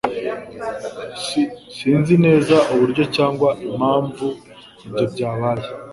S Sinzi neza uburyo cyangwa impamvu ibyo byabaye.